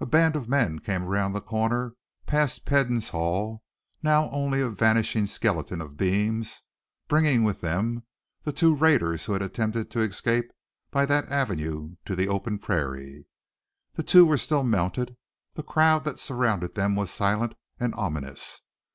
A band of men came around the corner past Peden's hall, now only a vanishing skeleton of beams, bringing with them the two raiders who had attempted to escape by that avenue to the open prairie. The two were still mounted, the crowd that surrounded them was silent and ominous.